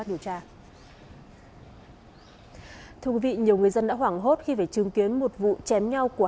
khi phải chứng kiến một vụ chém nhau của